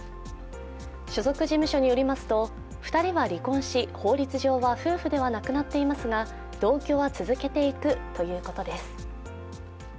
所属事務所によりますと２人は離婚し法律上は夫婦ではなくなっていますが同居は続けていくということです。